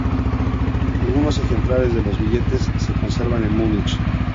Algunos ejemplares de los billetes se conservan en Múnich.